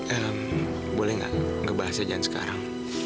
eh boleh gak ngebahas ajaan sekarang